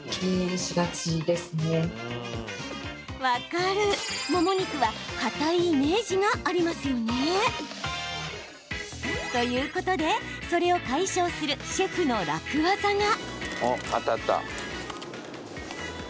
そう、もも肉はかたいイメージがありますよね。ということで、それを解消するシェフの楽ワザが。